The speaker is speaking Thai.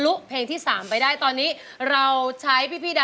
ร้องได้ให้ร้าน